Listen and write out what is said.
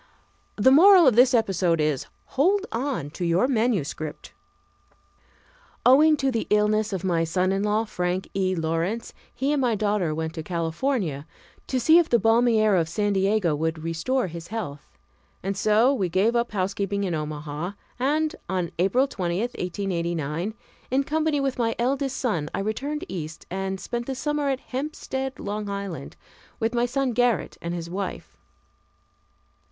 The moral of this episode is, hold on to your manuscript. Owing to the illness of my son in law, Frank E. Lawrence, he and my daughter went to California to see if the balmy air of San Diego would restore his health, and so we gave up housekeeping in Omaha, and, on April 20, 1889, in company with my eldest son I returned East and spent the summer at Hempstead, Long Island, with my son Gerrit and his wife.